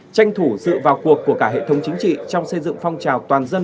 tranh thủ sự vào cuộc của cả hệ thống chính trị trong xây dựng phong trào toàn dân